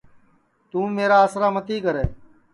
توں میرا آسرا متی کرے